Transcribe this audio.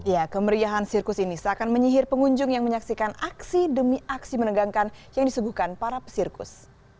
ya kemeriahan sirkus ini seakan menyihir pengunjung yang menyaksikan aksi demi aksi menegangkan yang disuguhkan para pesirkus